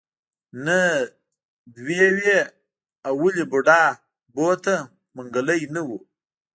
نه دوه وې اولې بوډا بوته منګلی نه و.